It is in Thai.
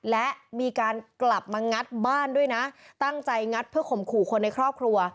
และมีการกลับมางัดบ้านด้วยนะตั้งใจงัดเพื่อข่มขู่คนในครอบครัว